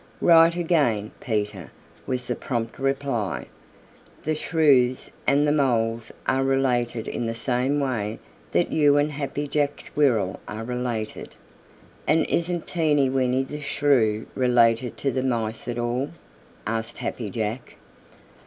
"Right again, Peter," was the prompt reply. "The Shrews and the Moles are related in the same way that you and Happy Jack Squirrel are related." "And isn't Teeny Weeny the Shrew related to the Mice at all?" asked Happy Jack.